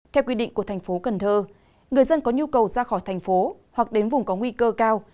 theo quy định của tp cn người dân có nhu cầu ra khỏi thành phố hoặc đến vùng có nguy cơ cao